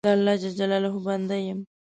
د الله جل جلاله بنده یم.